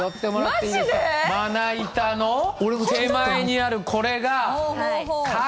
まな板の手前にあるこれが影！